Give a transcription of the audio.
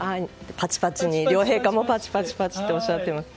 パチパチに両陛下もパチパチとおっしゃっていました。